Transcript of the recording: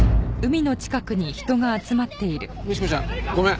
倫子ちゃんごめん。